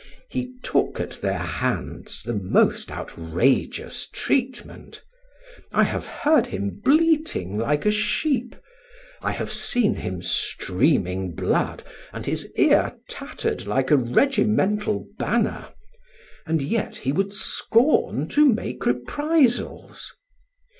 He took at their hands the most outrageous treatment; I have heard him bleating like a sheep, I have seen him streaming blood, and his ear tattered like a regimental banner; and yet he would scorn to make reprisals.